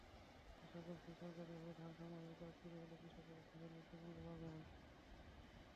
আশা করছি, সরকারিভাবে ধান সংগ্রহের কাজ শুরু হলে কৃষকেরা ধানের ন্যায্যমূল্য পাবেন।